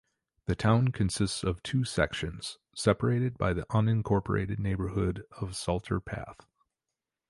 The town consists of two sections, separated by the unincorporated neighborhood of Salter Path.